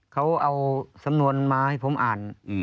เขาเอาสำนวนมาให้ผมอ่าน